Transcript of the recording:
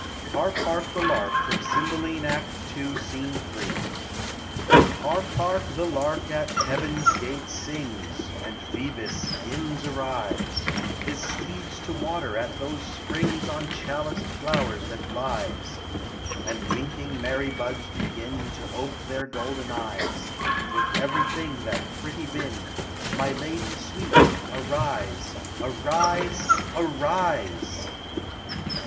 HARK, HARK! THE LARK. FROM " CYMBELINE," ACT II, SC. 3. Hark, hark ! the lark at heaven's gate sings, And Phoebus 'gins arise, His steeds to water at those springs On chaliced flowers that lies; And winking Mary buds begin To ope their golden eyes ; With everything that pretty bin, My lady sweet, arise; Arise, arise!